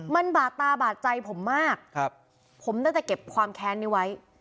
มันบาดตาบาดใจผมมากผมได้แต่เก็บความแค้นนี้ไว้